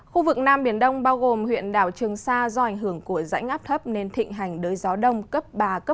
khu vực nam biển đông bao gồm huyện đảo trường sa do ảnh hưởng của rãnh áp thấp nên thịnh hành đới gió đông cấp ba bốn